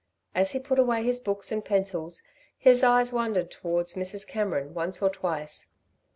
As he put away his books and pencils, his eyes wandered towards Mrs. Cameron once or twice.